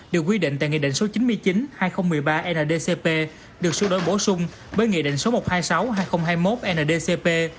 được quy định tại nghị định số chín mươi chín hai nghìn một mươi ba ndcp được sửa đổi bổ sung bởi nghị định số một trăm hai mươi sáu hai nghìn hai mươi một ndcp